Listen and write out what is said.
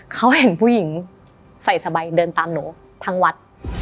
เขาเห็นผู้หญิงใส่สบายเดินตามหนูทั้งวัด